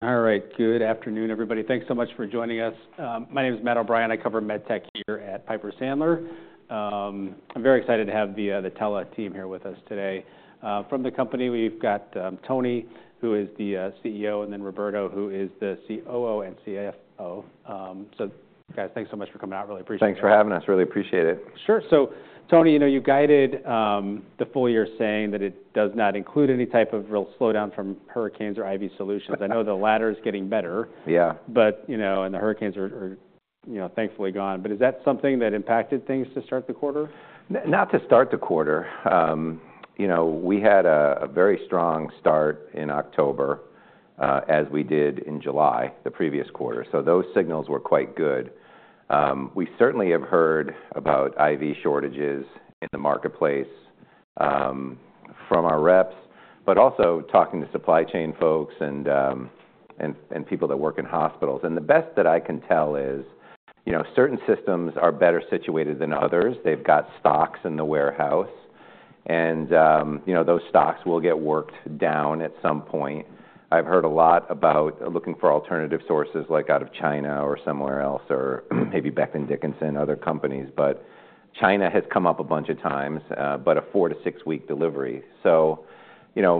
All right. Good afternoon, everybody. Thanks so much for joining us. My name is Matt O'Brien. I cover med tech here at Piper Sandler. I'm very excited to have the TELA team here with us today. From the company, we've got Tony, who is the CEO, and then Roberto, who is the COO and CFO. So, guys, thanks so much for coming out. Really appreciate it. Thanks for having us. Really appreciate it. Sure. So, Tony, you guided the full year saying that it does not include any type of real slowdown from hurricanes or IV solutions. I know the latter is getting better. Yeah. But, you know, and the hurricanes are, you know, thankfully gone. But is that something that impacted things to start the quarter? Not to start the quarter. You know, we had a very strong start in October as we did in July the previous quarter. So those signals were quite good. We certainly have heard about IV shortages in the marketplace from our reps, but also talking to supply chain folks and people that work in hospitals, and the best that I can tell is, you know, certain systems are better situated than others. They've got stocks in the warehouse, and, you know, those stocks will get worked down at some point. I've heard a lot about looking for alternative sources like out of China or somewhere else or maybe Becton Dickinson, other companies, but China has come up a bunch of times, but a four- to six-week delivery.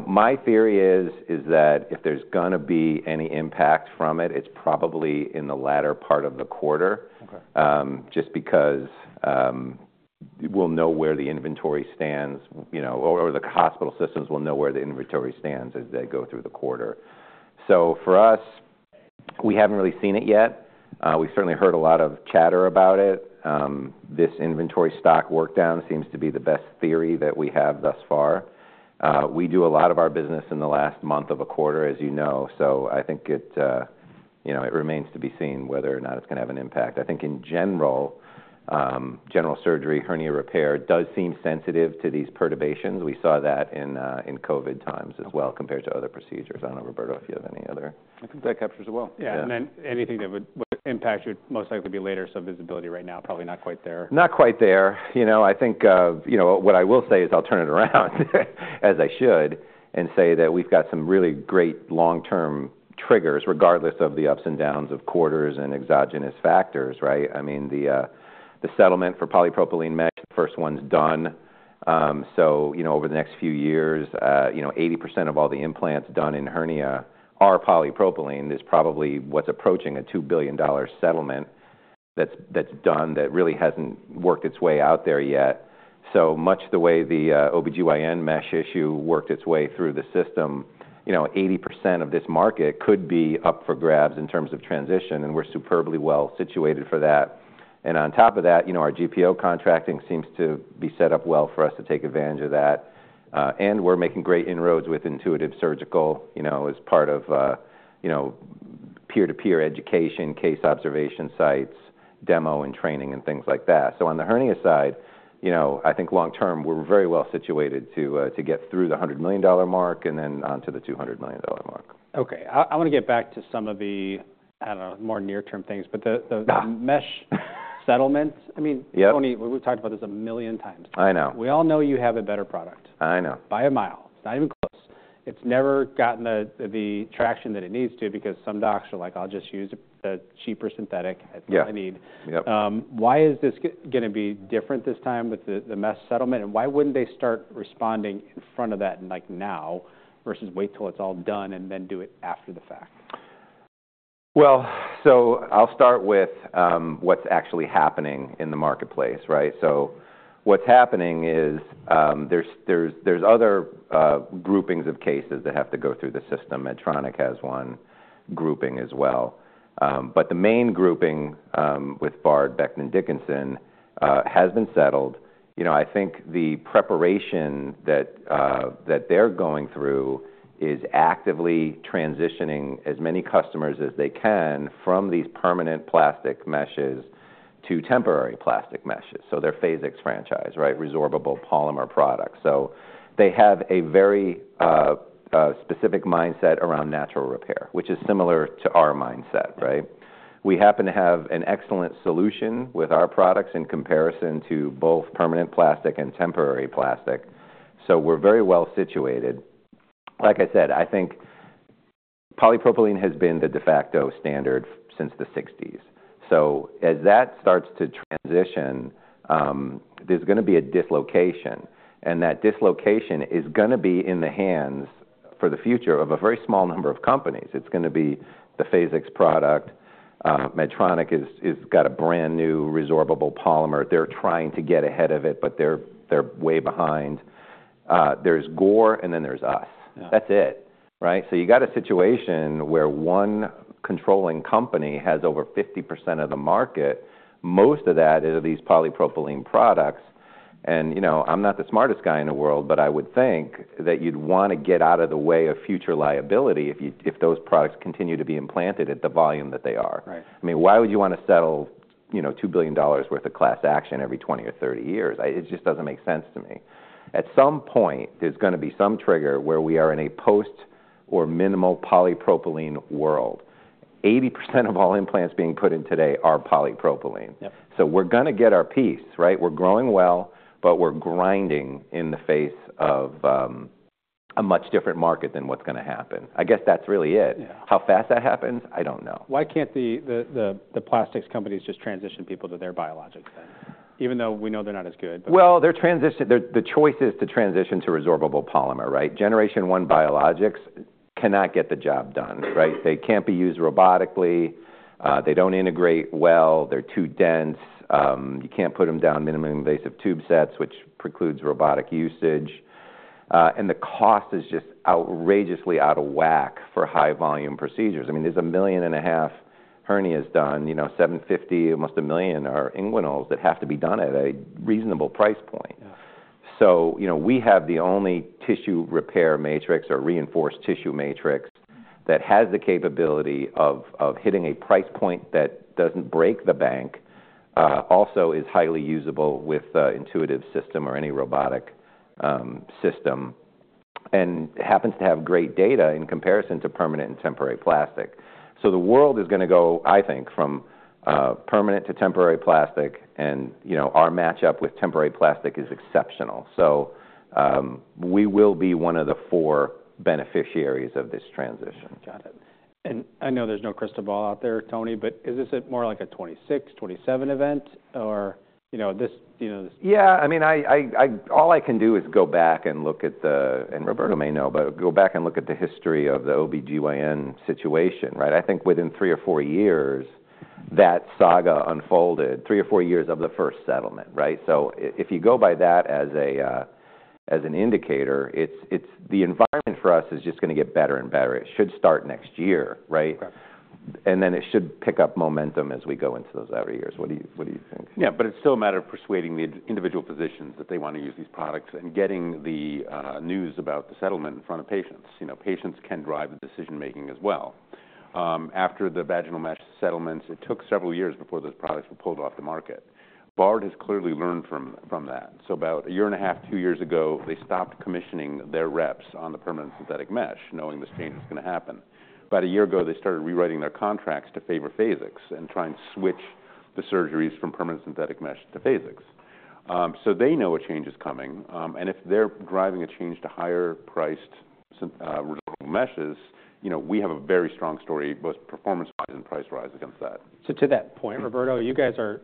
My theory is that if there's going to be any impact from it, it's probably in the latter part of the quarter, just because we'll know where the inventory stands, you know, or the hospital systems will know where the inventory stands as they go through the quarter. For us, we haven't really seen it yet. We've certainly heard a lot of chatter about it. This inventory stock workdown seems to be the best theory that we have thus far. We do a lot of our business in the last month of a quarter, as you know. I think it, you know, it remains to be seen whether or not it's going to have an impact. I think in general, general surgery, hernia repair does seem sensitive to these perturbations. We saw that in COVID times as well compared to other procedures. I don't know, Roberto, if you have any other? I think that captures it well. Yeah. And then anything that would impact should most likely be later. So visibility right now, probably not quite there. Not quite there. You know, I think, you know, what I will say is I'll turn it around as I should and say that we've got some really great long-term triggers regardless of the ups and downs of quarters and exogenous factors, right? I mean, the settlement for polypropylene mesh, the first one's done. So, you know, over the next few years, you know, 80% of all the implants done in hernia are polypropylene. There's probably what's approaching a $2 billion settlement that's done that really hasn't worked its way out there yet. So much the way the OB-GYN mesh issue worked its way through the system, you know, 80% of this market could be up for grabs in terms of transition. And we're superbly well situated for that. On top of that, you know, our GPO contracting seems to be set up well for us to take advantage of that. We're making great inroads with Intuitive Surgical, you know, as part of, you know, peer-to-peer education, case observation sites, demo and training and things like that. On the hernia side, you know, I think long-term we're very well situated to get through the $100 million mark and then on to the $200 million mark. Okay. I want to get back to some of the, I don't know, more near-term things, but the mesh settlement. I mean, Tony, we've talked about this a million times. I know. We all know you have a better product. I know. By a mile. It's not even close. It's never gotten the traction that it needs to because some docs are like, "I'll just use the cheaper synthetic that I need. Yep. Why is this going to be different this time with the mesh settlement? And why wouldn't they start responding in front of that like now versus wait till it's all done and then do it after the fact? So I'll start with what's actually happening in the marketplace, right? So what's happening is there's other groupings of cases that have to go through the system. Medtronic has one grouping as well. But the main grouping with Bard, Becton Dickinson has been settled. You know, I think the preparation that they're going through is actively transitioning as many customers as they can from these permanent plastic meshes to temporary plastic meshes. So their Phasix franchise, right? Resorbable polymer products. So they have a very specific mindset around natural repair, which is similar to our mindset, right? We happen to have an excellent solution with our products in comparison to both permanent plastic and temporary plastic. So we're very well situated. Like I said, I think polypropylene has been the de facto standard since the 1960s. So as that starts to transition, there's going to be a dislocation. That dislocation is going to be in the hands for the future of a very small number of companies. It's going to be the Phasix product. Medtronic has got a brand new resorbable polymer. They're trying to get ahead of it, but they're way behind. There's Gore and then there's us. That's it, right? So you've got a situation where one controlling company has over 50% of the market. Most of that is these polypropylene products. And, you know, I'm not the smartest guy in the world, but I would think that you'd want to get out of the way of future liability if those products continue to be implanted at the volume that they are. I mean, why would you want to settle, you know, $2 billion worth of class action every 20 or 30 years? It just doesn't make sense to me. At some point, there's going to be some trigger where we are in a post or minimal polypropylene world. 80% of all implants being put in today are polypropylene. So we're going to get our piece, right? We're growing well, but we're grinding in the face of a much different market than what's going to happen. I guess that's really it. How fast that happens, I don't know. Why can't the plastics companies just transition people to their biologics then? Even though we know they're not as good. They're transitioning. The choice is to transition to resorbable polymer, right? Generation one biologics cannot get the job done, right? They can't be used robotically. They don't integrate well. They're too dense. You can't put them down minimally invasive tube sets, which precludes robotic usage. And the cost is just outrageously out of whack for high volume procedures. I mean, there's 1.5 million hernias done. You know, 750,000, almost a million are inguinals that have to be done at a reasonable price point. So, you know, we have the only tissue repair matrix or reinforced tissue matrix that has the capability of hitting a price point that doesn't break the bank, also is highly usable with Intuitive system or any robotic system, and happens to have great data in comparison to permanent and temporary plastic. So the world is going to go, I think, from permanent to temporary plastic. And, you know, our matchup with temporary plastic is exceptional. So we will be one of the four beneficiaries of this transition. Got it. And I know there's no crystal ball out there, Tony, but is this more like a 2026, 2027 event or, you know, this? Yeah. I mean, all I can do is go back and look at the, and Roberto may know, but go back and look at the history of the OB-GYN situation, right? I think within three or four years that saga unfolded, three or four years of the first settlement, right? So if you go by that as an indicator, the environment for us is just going to get better and better. It should start next year, right? And then it should pick up momentum as we go into those outer years. What do you think? Yeah, but it's still a matter of persuading the individual physicians that they want to use these products and getting the news about the settlement in front of patients. You know, patients can drive the decision-making as well. After the vaginal mesh settlements, it took several years before those products were pulled off the market. Bard has clearly learned from that, so about a year and a half, two years ago, they stopped commissioning their reps on the permanent synthetic mesh knowing this change was going to happen. About a year ago, they started rewriting their contracts to favor Phasix and trying to switch the surgeries from permanent synthetic mesh to Phasix, so they know a change is coming, and if they're driving a change to higher-priced resorbable meshes, you know, we have a very strong story both performance-wise and price-wise against that. So to that point, Roberto, you guys are.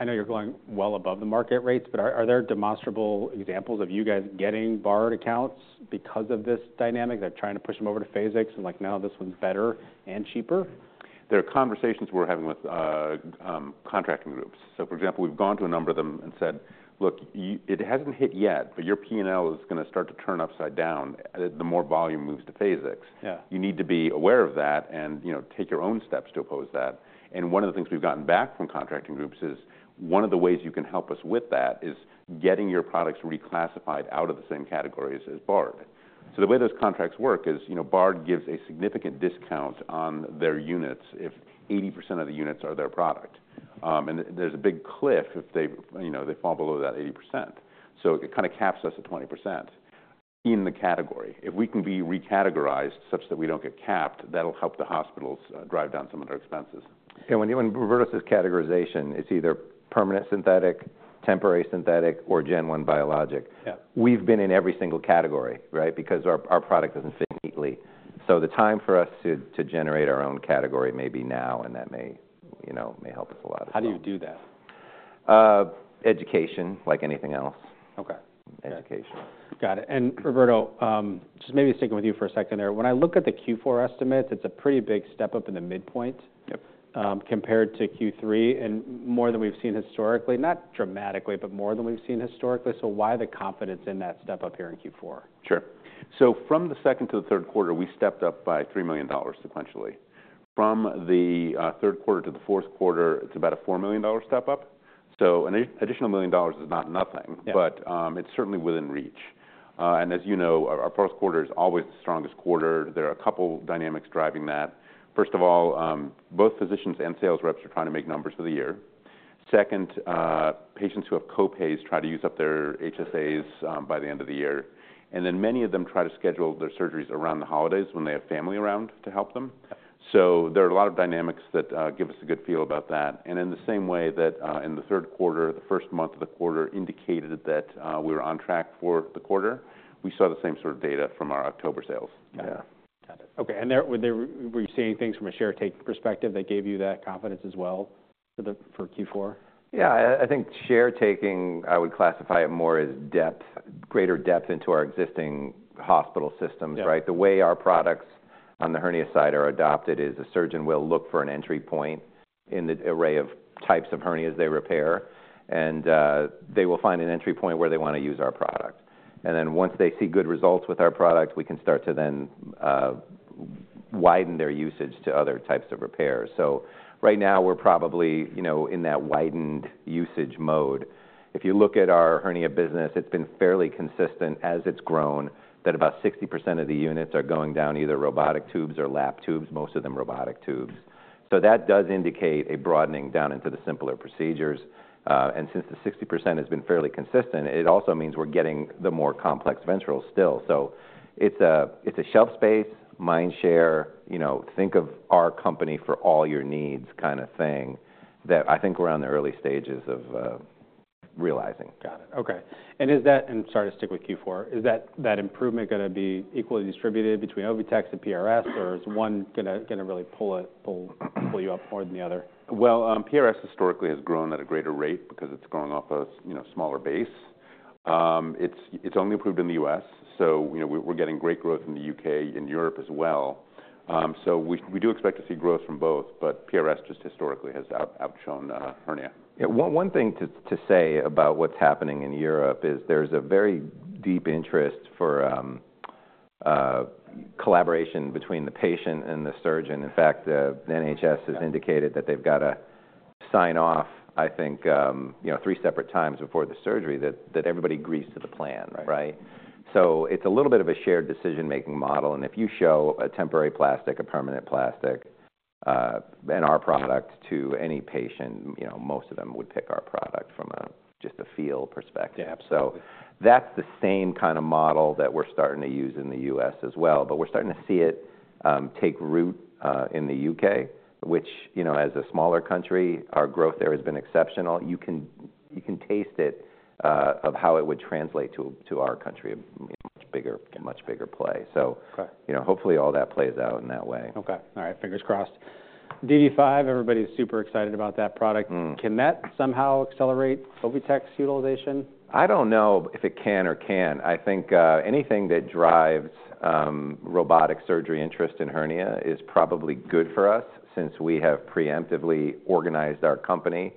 I know you're going well above the market rates, but are there demonstrable examples of you guys getting Bard accounts because of this dynamic? They're trying to push them over to Phasix and like, "No, this one's better and cheaper. There are conversations we're having with contracting groups. So for example, we've gone to a number of them and said, "Look, it hasn't hit yet, but your P&L is going to start to turn upside down the more volume moves to Phasix. You need to be aware of that and, you know, take your own steps to oppose that." And one of the things we've gotten back from contracting groups is one of the ways you can help us with that is getting your products reclassified out of the same categories as Bard. So the way those contracts work is, you know, Bard gives a significant discount on their units if 80% of the units are their product. And there's a big cliff if they, you know, they fall below that 80%. So it kind of caps us at 20% in the category. If we can be recategorized such that we don't get capped, that'll help the hospitals drive down some of their expenses. And when Roberto says categorization, it's either permanent synthetic, temporary synthetic, or gen one biologic. We've been in every single category, right? Because our product doesn't fit neatly. So the time for us to generate our own category may be now, and that may, you know, may help us a lot. How do you do that? Education, like anything else. Okay. Education. Got it. And Roberto, just maybe sticking with you for a second there. When I look at the Q4 estimates, it's a pretty big step up in the midpoint compared to Q3 and more than we've seen historically, not dramatically, but more than we've seen historically. So why the confidence in that step up here in Q4? Sure. So from the second to the third quarter, we stepped up by $3 million sequentially. From the third quarter to the fourth quarter, it's about a $4 million step up. So $1 million is not nothing, but it's certainly within reach. And as you know, our fourth quarter is always the strongest quarter. There are a couple of dynamics driving that. First of all, both physicians and sales reps are trying to make numbers for the year. Second, patients who have copays try to use up their HSAs by the end of the year. And then many of them try to schedule their surgeries around the holidays when they have family around to help them. So there are a lot of dynamics that give us a good feel about that. In the same way that in the third quarter, the first month of the quarter indicated that we were on track for the quarter, we saw the same sort of data from our October sales. Yeah. Got it. Okay. And were you seeing things from a share-taking perspective that gave you that confidence as well for Q4? Yeah. I think share-taking, I would classify it more as depth, greater depth into our existing hospital systems, right? The way our products on the hernia side are adopted is a surgeon will look for an entry point in the array of types of hernias they repair, and they will find an entry point where they want to use our product. And then once they see good results with our product, we can start to then widen their usage to other types of repairs. So right now we're probably, you know, in that widened usage mode. If you look at our hernia business, it's been fairly consistent as it's grown that about 60% of the units are going down either robotic tubes or lap tubes, most of them robotic tubes. So that does indicate a broadening down into the simpler procedures. Since the 60% has been fairly consistent, it also means we're getting the more complex ventrals still. It's a shelf space, mind share, you know, think of our company for all your needs kind of thing that I think we're on the early stages of realizing. Got it. Okay. And is that, and sorry to stick with Q4, is that improvement going to be equally distributed between OviTex and PRS, or is one going to really pull you up more than the other? PRS historically has grown at a greater rate because it's growing off a smaller base. It's only approved in the U.S. You know, we're getting great growth in the U.K. and Europe as well. We do expect to see growth from both, but PRS just historically has outshone hernia. Yeah. One thing to say about what's happening in Europe is there's a very deep interest for collaboration between the patient and the surgeon. In fact, the NHS has indicated that they've got to sign off, I think, you know, three separate times before the surgery that everybody agrees to the plan, right, so it's a little bit of a shared decision-making model, and if you show a temporary plastic, a permanent plastic, and our product to any patient, you know, most of them would pick our product from just a feel perspective, so that's the same kind of model that we're starting to use in the U.S. as well, but we're starting to see it take root in the U.K., which, you know, as a smaller country, our growth there has been exceptional. You can taste it of how it would translate to our country, a much bigger play. So, you know, hopefully all that plays out in that way. Okay. All right. Fingers crossed. DV5, everybody's super excited about that product. Can that somehow accelerate OviTex utilization? I don't know if it can or can't. I think anything that drives robotic surgery interest in hernia is probably good for us since we have preemptively organized our company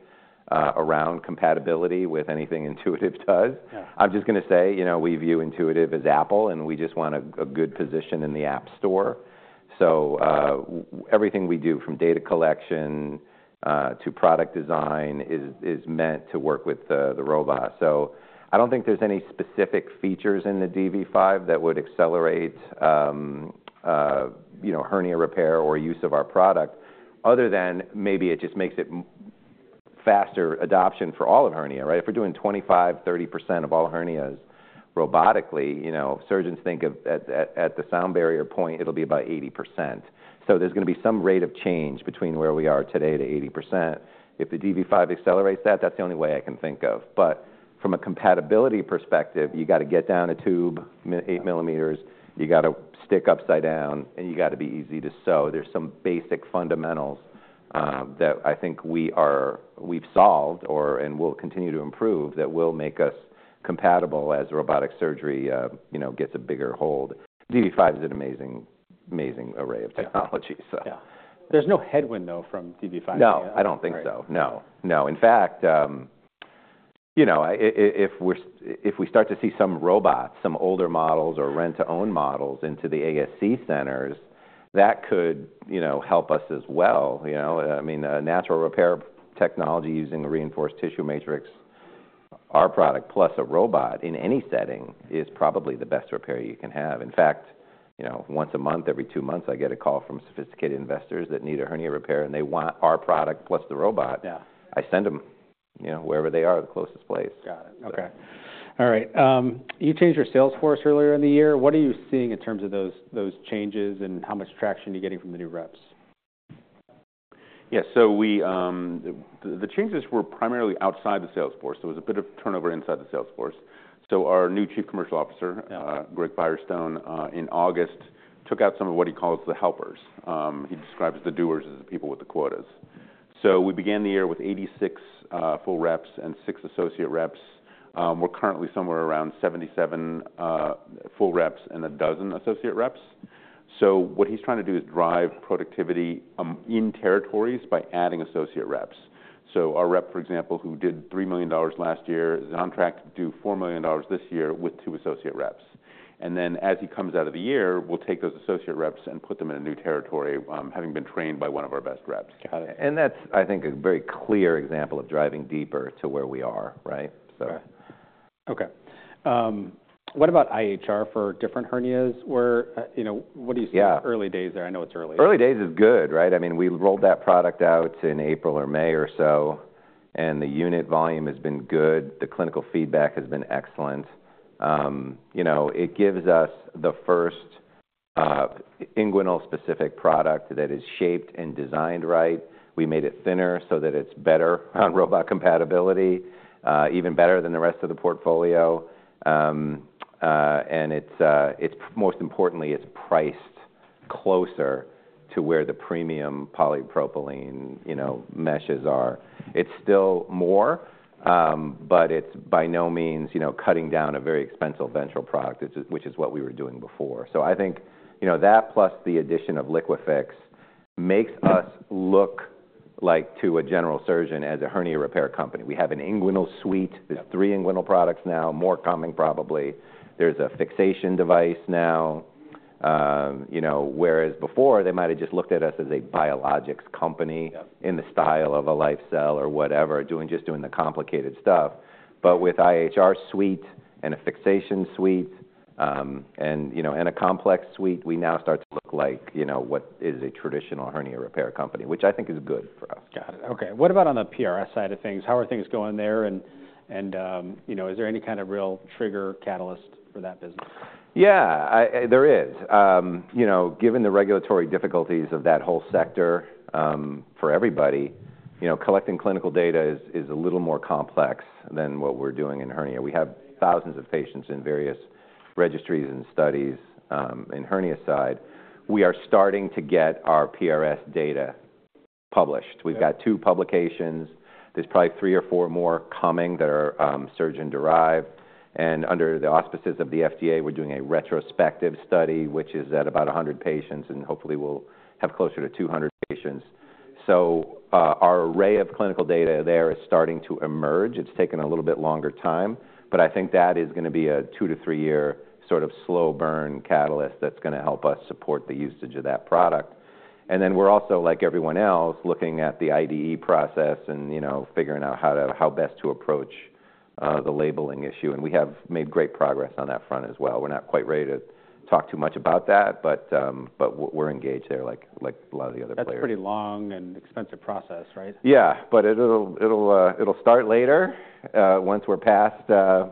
around compatibility with anything Intuitive does. I'm just going to say, you know, we view Intuitive as Apple, and we just want a good position in the App Store. So everything we do from data collection to product design is meant to work with the robot. So I don't think there's any specific features in the DV5 that would accelerate, you know, hernia repair or use of our product other than maybe it just makes it faster adoption for all of hernia, right? If we're doing 25%-30% of all hernias robotically, you know, surgeons think at the sound barrier point, it'll be about 80%. There's going to be some rate of change between where we are today to 80%. If the DV5 accelerates that, that's the only way I can think of. But from a compatibility perspective, you got to get down to 8 millimeters, you got to stick upside down, and you got to be easy to sew. There's some basic fundamentals that I think we've solved or will continue to improve that will make us compatible as robotic surgery, you know, gets a bigger hold. DV5 is an amazing, amazing array of technology. Yeah. There's no headwind though from DV5. No, I don't think so. No, no. In fact, you know, if we start to see some robots, some older models or rent-to-own models into the ASC centers, that could, you know, help us as well. You know, I mean, natural repair technology using a reinforced tissue matrix, our product plus a robot in any setting is probably the best repair you can have. In fact, you know, once a month, every two months, I get a call from sophisticated investors that need a hernia repair, and they want our product plus the robot. I send them, you know, wherever they are, the closest place. Got it. Okay. All right. You changed your sales force earlier in the year. What are you seeing in terms of those changes and how much traction you're getting from the new reps? Yeah. So the changes were primarily outside the sales force. There was a bit of turnover inside the sales force. So our new Chief Commercial Officer, Greg Firestone, in August took out some of what he calls the helpers. He describes the doers as the people with the quotas. So we began the year with 86 full reps and 6 associate reps. We're currently somewhere around 77 full reps and a dozen associate reps. So what he's trying to do is drive productivity in territories by adding associate reps. So our rep, for example, who did $3 million last year is on track to do $4 million this year with two associate reps. And then as he comes out of the year, we'll take those associate reps and put them in a new territory, having been trained by one of our best reps. Got it. And that's, I think, a very clear example of driving deeper to where we are, right? Okay. What about IHR for different hernias? You know, what do you see early days there? I know it's early. Early days is good, right? I mean, we rolled that product out in April or May or so, and the unit volume has been good. The clinical feedback has been excellent. You know, it gives us the first inguinal-specific product that is shaped and designed right. We made it thinner so that it's better on robot compatibility, even better than the rest of the portfolio. And most importantly, it's priced closer to where the premium polypropylene, you know, meshes are. It's still more, but it's by no means, you know, cutting down a very expensive ventral product, which is what we were doing before. So I think, you know, that plus the addition of LIQUIFIX makes us look like to a general surgeon as a hernia repair company. We have an inguinal suite. There's three inguinal products now, more coming probably. There's a fixation device now, you know, whereas before they might have just looked at us as a biologics company in the style of a LifeCell or whatever, just doing the complicated stuff. But with IHR suite and a fixation suite and, you know, a complex suite, we now start to look like, you know, what is a traditional hernia repair company, which I think is good for us. Got it. Okay. What about on the PRS side of things? How are things going there? And, you know, is there any kind of real trigger catalyst for that business? Yeah, there is. You know, given the regulatory difficulties of that whole sector for everybody, you know, collecting clinical data is a little more complex than what we're doing in hernia. We have thousands of patients in various registries and studies in hernia side. We are starting to get our PRS data published. We've got two publications. There's probably three or four more coming that are surgeon-derived. And under the auspices of the FDA, we're doing a retrospective study, which is at about 100 patients, and hopefully we'll have closer to 200 patients. So our array of clinical data there is starting to emerge. It's taken a little bit longer time, but I think that is going to be a two- to three-year sort of slow burn catalyst that's going to help us support the usage of that product. And then we're also, like everyone else, looking at the IDE process and, you know, figuring out how best to approach the labeling issue. And we have made great progress on that front as well. We're not quite ready to talk too much about that, but we're engaged there like a lot of the other players. That's a pretty long and expensive process, right? Yeah, but it'll start later once we're past,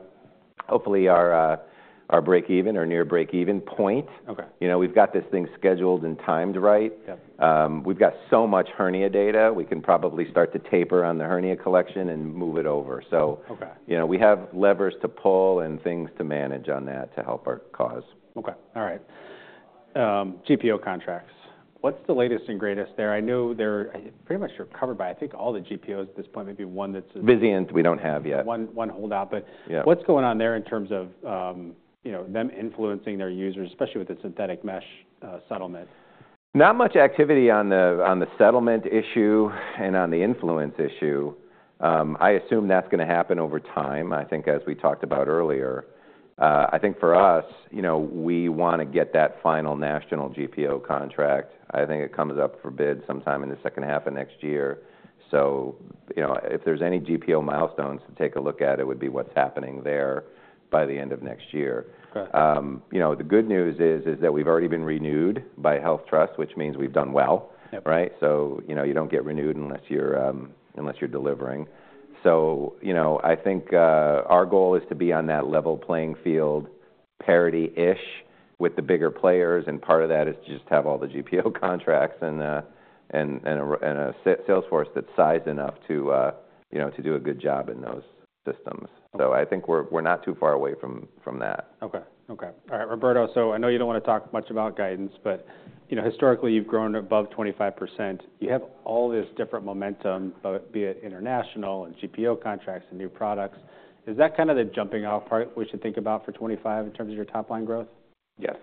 hopefully, our break-even or near break-even point. You know, we've got this thing scheduled and timed right. We've got so much hernia data, we can probably start to taper on the hernia collection and move it over. So, you know, we have levers to pull and things to manage on that to help our cause. Okay. All right. GPO contracts. What's the latest and greatest there? I know they're pretty much covered by, I think, all the GPOs at this point, maybe one that's. Vizient, we don't have yet. One holdout, but what's going on there in terms of, you know, them influencing their users, especially with the synthetic mesh settlement? Not much activity on the settlement issue and on the influence issue. I assume that's going to happen over time, I think, as we talked about earlier. I think for us, you know, we want to get that final national GPO contract. I think it comes up for bid sometime in the second half of next year. So, you know, if there's any GPO milestones to take a look at, it would be what's happening there by the end of next year. You know, the good news is that we've already been renewed by HealthTrust, which means we've done well, right? So, you know, I think our goal is to be on that level playing field, parity-ish with the bigger players. Part of that is to just have all the GPO contracts and a sales force that's sized enough to, you know, to do a good job in those systems. I think we're not too far away from that. Roberto, so I know you don't want to talk much about guidance, but, you know, historically you've grown above 25%. You have all this different momentum, be it international and GPO contracts and new products. Is that kind of the jumping-off part we should think about for 2025 in terms of your top-line growth? Yes.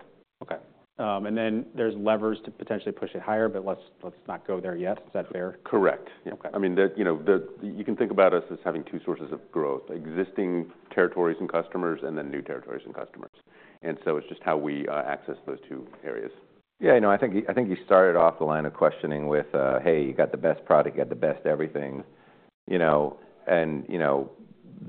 Okay. And then there's levers to potentially push it higher, but let's not go there yet. Is that fair? Correct. I mean, you know, you can think about us as having two sources of growth: existing territories and customers and then new territories and customers. And so it's just how we access those two areas. Yeah, you know, I think you started off the line of questioning with, "Hey, you got the best product, you got the best everything." You know, and, you know,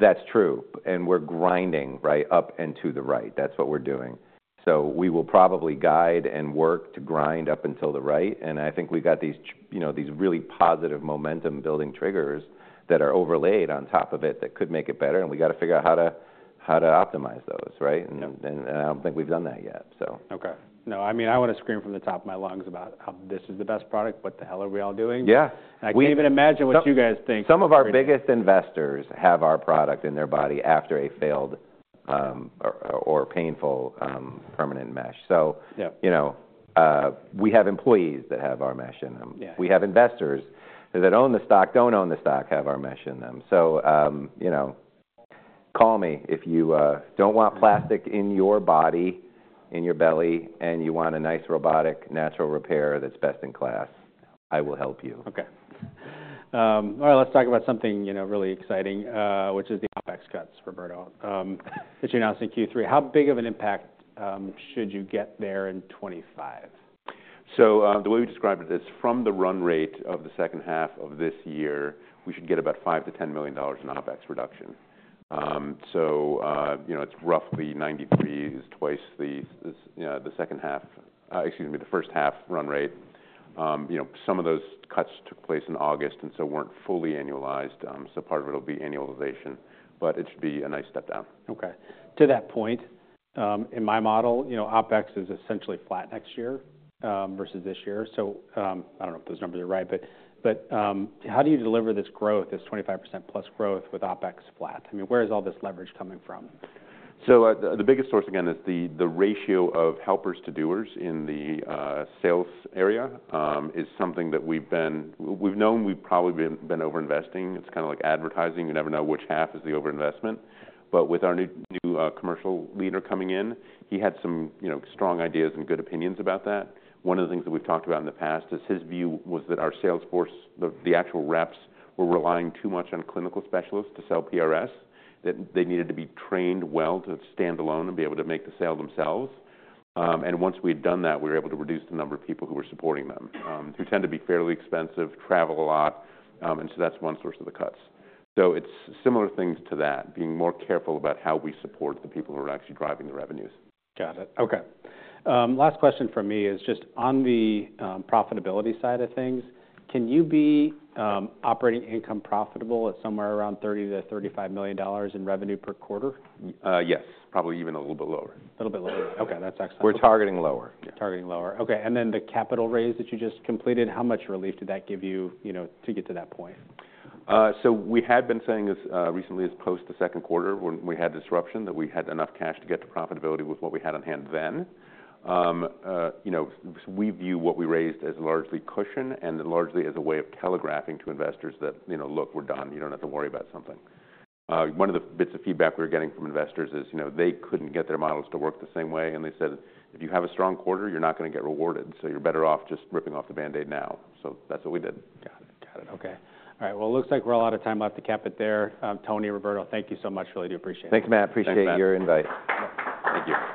that's true. And we're grinding, right, up and to the right. That's what we're doing. So we will probably guide and work to grind up and to the right. And I think we've got these, you know, these really positive momentum-building triggers that are overlaid on top of it that could make it better. And we've got to figure out how to optimize those, right? And I don't think we've done that yet. Okay. No, I mean, I want to scream from the top of my lungs about how this is the best product. What the hell are we all doing? Yeah. I can't even imagine what you guys think. Some of our biggest investors have our product in their body after a failed or painful permanent mesh. So, you know, we have employees that have our mesh in them. We have investors that own the stock, don't own the stock, have our mesh in them. So, you know, call me if you don't want plastic in your body, in your belly, and you want a nice robotic natural repair that's best in class. I will help you. Okay. All right. Let's talk about something, you know, really exciting, which is the OpEx cuts, Roberto, that you announced in Q3. How big of an impact should you get there in 2025? So the way we described it is from the run rate of the second half of this year, we should get about $5 million-$10 million in OpEx reduction. You know, it's roughly 93 is twice the second half, excuse me, the first half run rate. You know, some of those cuts took place in August and so weren't fully annualized. So part of it will be annualization, but it should be a nice step down. Okay. To that point, in my model, you know, OpEx is essentially flat next year versus this year. So I don't know if those numbers are right, but how do you deliver this growth, this 25% plus growth with OpEx flat? I mean, where is all this leverage coming from? The biggest source, again, is the ratio of helpers to doers in the sales area is something that we've been, we've known we've probably been over-investing. It's kind of like advertising. You never know which half is the over-investment. With our new commercial leader coming in, he had some, you know, strong ideas and good opinions about that. One of the things that we've talked about in the past is his view was that our sales force, the actual reps, were relying too much on clinical specialists to sell PRS, that they needed to be trained well to stand alone and be able to make the sale themselves. Once we had done that, we were able to reduce the number of people who were supporting them, who tend to be fairly expensive, travel a lot. That's one source of the cuts. So it's similar things to that, being more careful about how we support the people who are actually driving the revenues. Got it. Okay. Last question for me is just on the profitability side of things. Can you be operating income profitable at somewhere around $30 million-$35 million in revenue per quarter? Yes. Probably even a little bit lower. A little bit lower. Okay. That's excellent. We're targeting lower. Targeting lower. Okay. And then the capital raise that you just completed, how much relief did that give you, you know, to get to that point? So we had been saying recently as post the second quarter when we had disruption that we had enough cash to get to profitability with what we had on hand then. You know, we view what we raised as largely cushion and largely as a way of telegraphing to investors that, you know, look, we're done. You don't have to worry about something. One of the bits of feedback we were getting from investors is, you know, they couldn't get their models to work the same way. And they said, "If you have a strong quarter, you're not going to get rewarded. So you're better off just ripping off the Band-Aid now." So that's what we did. Got it. Got it. Okay. All right. Well, it looks like we're all out of time. I'll have to cap it there. Tony, Roberto, thank you so much. Really do appreciate it. Thanks, Matt. Appreciate your invite. Thank you.